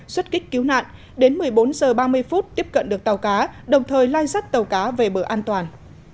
xuất kích cứu nạn đến một mươi bốn h ba mươi tiếp cận được tàu cá đồng thời lai dắt tàu cá về bờ an toàn